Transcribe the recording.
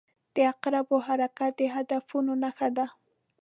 • د عقربو حرکت د هدفونو نښه ده.